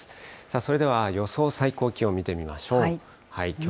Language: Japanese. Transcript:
それでは予想最高気温、見てみましょう。